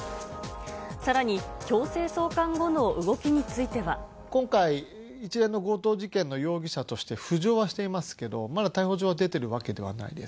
さらに、強制送還後の動きに今回、一連の強盗事件の容疑者として浮上はしていますけども、まだ逮捕状が出ているわけではないです。